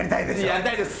やりたいです！